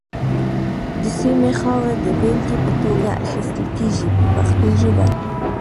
د سیمې خاوره د بېلګې په توګه اخیستل کېږي په پښتو ژبه.